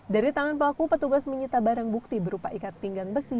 dari tangan pelaku petugas menyita barang bukti berupa ikat pinggang besi